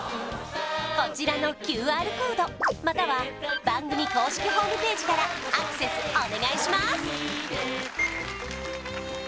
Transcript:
こちらのＱＲコードまたは番組公式ホームページからアクセスお願いします！